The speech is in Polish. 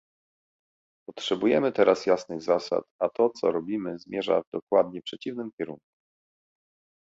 Potrzebujemy teraz jasnych zasad, a to, co robimy, zmierza w dokładnie przeciwnym kierunku